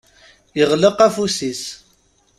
Iɣleq afus-is.